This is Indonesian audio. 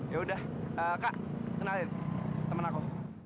yaudah kak kenalin temen aku